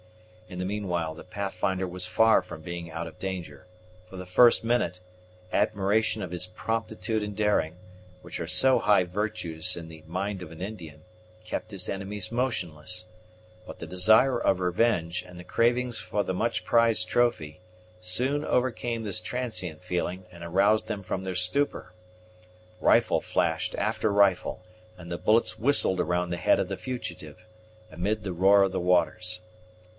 In the meanwhile the Pathfinder was far from being out of danger; for the first minute, admiration of his promptitude and daring, which are so high virtues in the mind of an Indian, kept his enemies motionless; but the desire of revenge, and the cravings for the much prized trophy, soon overcame this transient feeling, and aroused them from their stupor. Rifle flashed after rifle, and the bullets whistled around the head of the fugitive, amid the roar of the waters.